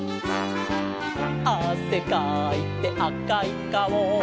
「あせかいてあかいかお」